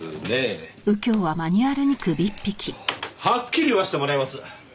はっきり言わせてもらいます。